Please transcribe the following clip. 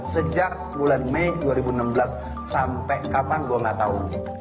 sejak bulan mei dua ribu enam belas sampai kapan gue gak tahu